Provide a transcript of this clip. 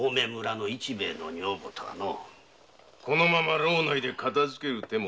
このまま牢内で片づける手も。